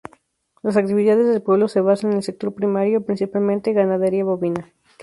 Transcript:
Las actividades del pueblo se basan en el sector primario principalmente ganadería bovina.